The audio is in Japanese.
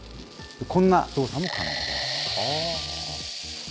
こんな動作も可能です。